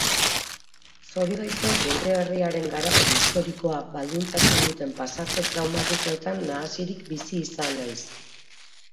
Zorigaitzez geure herriaren garapen historikoa baldintzatu duten pasarte traumatikoetan nahasirik bizi izan naiz.